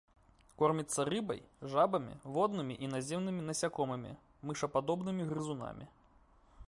Корміцца рыбай, жабамі, воднымі і наземнымі насякомымі, мышападобнымі грызунамі.